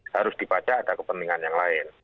harus dibaca ada kepentingan yang lain